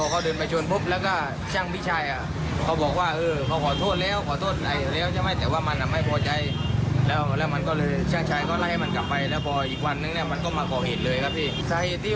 แล้วมันก็เลยช่างชายก็ไล่ให้มันกลับไปแล้วพออีกวันนึงเนี่ยมันก็มาก่อเหตุเลยครับพี่